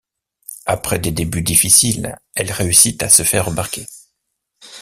Après des débuts difficiles, elle réussit à se faire remarquer.